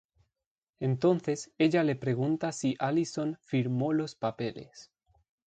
Entonces, ella le pregunta si Alison ""firmó los papeles"".